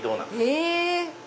え！